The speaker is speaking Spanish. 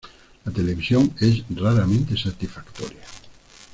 La televisión es raramente satisfactoria.